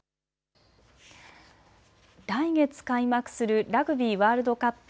来月開幕するラグビーワールドカップ